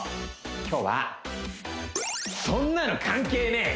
今日はそんなの関係ねぇ！